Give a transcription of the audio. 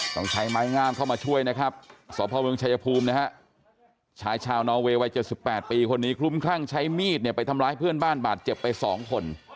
ต้องใช้ไม้งามเข้ามาช่วยนะครับสพเมืองชายภูมินะฮะชายชาวนอเวย์วัย๗๘ปีคนนี้คลุ้มคลั่งใช้มีดเนี่ยไปทำร้ายเพื่อนบ้านบาดเจ็บไป๒คน